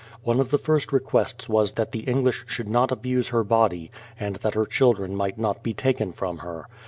One of her first requests was that the English should not abuse her body, and that her children might not be taken from her.